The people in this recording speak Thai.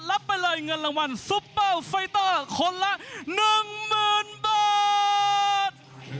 รับไปเลยเงินรางวัลซุปเปอร์ไฟเตอร์คนละ๑๐๐๐บาท